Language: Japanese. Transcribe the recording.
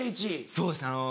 そうですね。